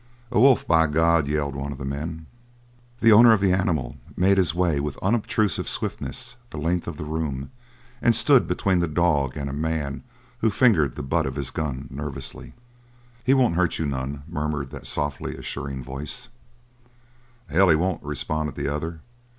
"A wolf, by God!" yelled one of the men. The owner of the animal made his way with unobtrusive swiftness the length of the room and stood between the dog and a man who fingered the butt of his gun nervously. "He won't hurt you none," murmured that softly assuring voice. "The hell he won't!" responded the other.